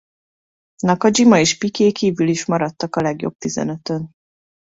Nakadzsima és Piquet kívül is maradtak a legjobb tizenötön.